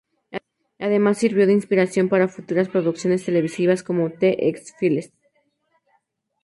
Además sirvió de inspiración para futuras producciones televisivas como "The X-Files".